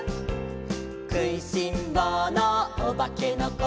「くいしんぼうのおばけのこ」